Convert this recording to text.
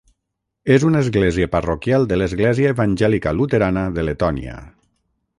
És una església parroquial de l'Església Evangèlica Luterana de Letònia.